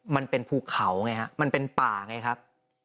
มันเป็นภูเขาไงฮะมันเป็นป่าไงครับ